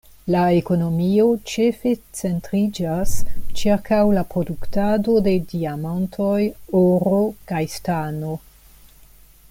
La ekonomio ĉefe centriĝas ĉirkaŭ la produktado de diamantoj, oro kaj stano.